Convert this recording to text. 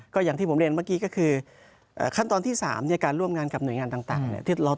ก็อย่างที่ผมเรียนเมื่อกี้ก็คือขั้นตอนที่๓การร่วมงานกับหน่วยงานต่าง